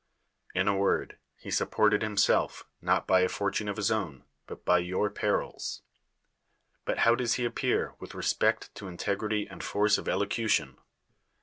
In a word, he supported himself, not by a fortune of his own, but by your perils. But how does he appear with re spect to integrity and force of elocution